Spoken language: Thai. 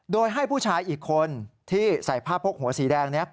โดยให้ผู้ชายอีกคนที่ใส่ผ้าพกหัวสีแดงนี้